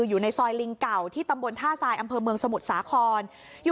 อยู่ในซอยลิงเก่าที่ตำบลท่าทรายอำเภอเมืองสมุทรสาคร